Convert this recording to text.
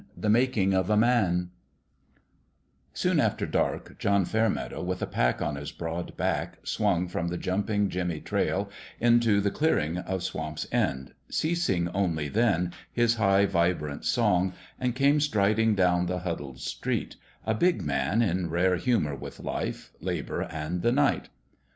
XI THE MAKING OF A MAN SOON after dark, John Fairmeadow, with a pack on his broad back, swung from the Jumping Jimmy trail into the clearing of Swamp's End, ceasing only then his high, vibrant song, and came striding down the huddled street, a big man in rare humour with life, labour and the night.